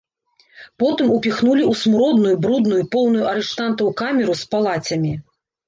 Потым упіхнулі ў смуродную, брудную, поўную арыштантаў камеру з палацямі.